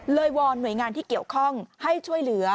วอนหน่วยงานที่เกี่ยวข้องให้ช่วยเหลือ